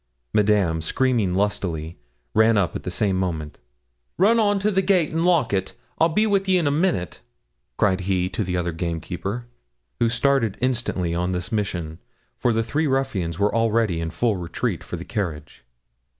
Madame, screaming lustily, ran up at the same moment. 'Run on to the gate and lock it I'll be wi' ye in a minute,' cried he to the other gamekeeper; who started instantly on this mission, for the three ruffians were already in full retreat for the carriage.